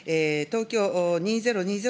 東京２０２０